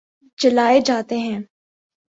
جلائے جاتے ہیں